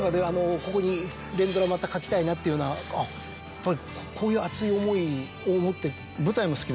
ここに「連ドラまた書きたいな」っていうようなこういう熱い思いを持って。